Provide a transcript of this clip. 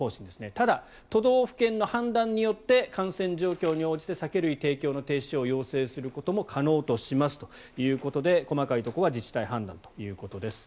ただ、都道府県の判断によって感染状況に応じて酒類提供の停止を要請することも可能としますということで細かいところは自治体判断ということです。